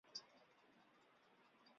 泷之泽号志站石胜线上的号志站。